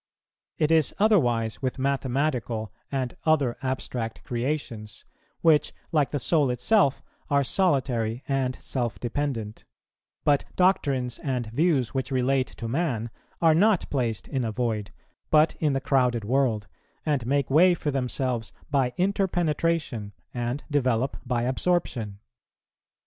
It is otherwise with mathematical and other abstract creations, which, like the soul itself, are solitary and self dependent; but doctrines and views which relate to man are not placed in a void, but in the crowded world, and make way for themselves by interpenetration, and develope by absorption.